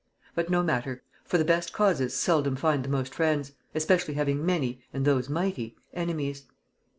But no matter; for the best causes seldom find the most friends, especially having many, and those mighty, enemies.